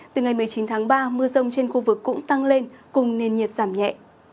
từ ngày một mươi chín tháng ba mưa rông trên khu vực cũng tăng lên cùng nền nhiệt giảm nhẹ